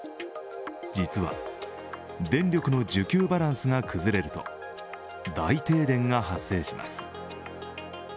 実は、電力の需給バランスが崩れると大停電が発生します。